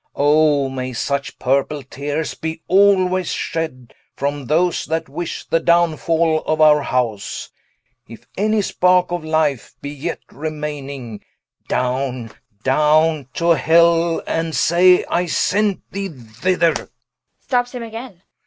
O may such purple teares be alway shed From those that wish the downfall of our house. If any sparke of Life be yet remaining, Downe, downe to hell, and say I sent thee thither.